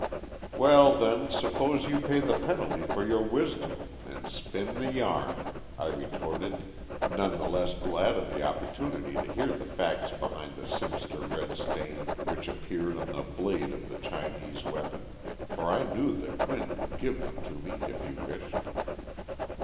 "Well, then, suppose you pay the penalty for your wisdom and spin the yarn," I retorted, none the less glad of the opportunity to hear the facts behind the sinister red stain which appeared on the blade of the Chinese weapon, for I knew that Quinn could give them to me if he wished.